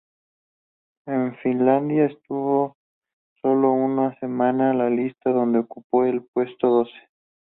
En Finlandia, estuvo solo una semana la lista, donde ocupó el puesto doce.